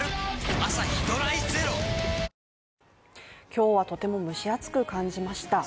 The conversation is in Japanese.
今日はとても蒸し暑く感じました。